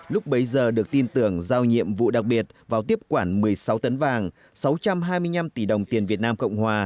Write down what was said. lúc bấy giờ được tin tưởng giao nhiệm vụ đặc biệt vào tiếp quản một mươi sáu tấn vàng sáu trăm hai mươi năm tỷ đồng tiền việt nam cộng hòa